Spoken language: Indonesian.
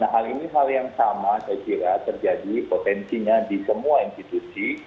nah hal ini hal yang sama saya kira terjadi potensinya di semua institusi